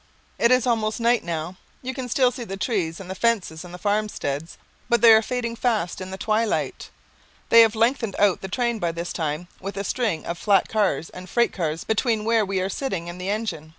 It is almost night now. You can still see the trees and the fences and the farmsteads, but they are fading fast in the twilight. They have lengthened out the train by this time with a string of flat cars and freight cars between where we are sitting and the engine.